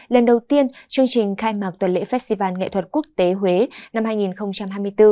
lần đầu tiên chương trình khai mạc tuần lễ festival nghệ thuật quốc tế huế năm hai nghìn hai mươi bốn